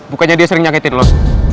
bukannya dia sering nyangetin lo